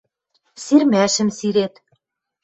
– Сирмӓшӹм сирет...